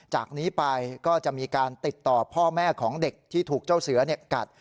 จากนี้ไปก็จะมีการติดต่อพ่อแม่ของเด็กที่ถูกเจ้าเสือกัด